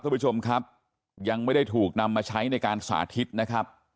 คุณผู้ชมครับยังไม่ได้ถูกนำมาใช้ในการสาธิตนะครับ